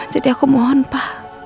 jadi aku mohon pa